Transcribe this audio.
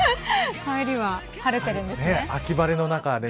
帰りは晴れてるんですね。